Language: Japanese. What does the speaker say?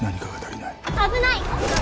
危ない！